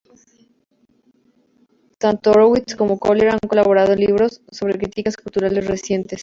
Tanto Horowitz como Collier han colaborado en libros sobre críticas culturales recientes.